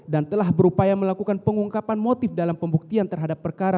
telah berupaya melakukan pengungkapan motif dalam pembuktian terhadap perkara